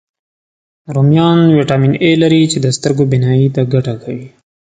رومیان ویټامین A لري، چې د سترګو بینایي ته ګټه کوي